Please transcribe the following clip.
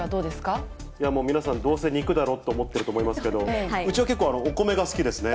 皆さん、どうせ肉だろうと思ってると思いますけれども、うちは結構お米が好きですね。